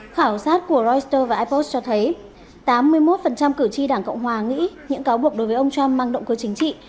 khảo sát của reuters và ipos cho thấy tám mươi một cử tri đảng cộng hòa nghĩ những cáo buộc đối với ông trump mang động cơ chính trị